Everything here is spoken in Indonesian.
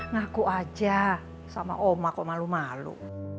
ngaku aja sama oma kok malu malu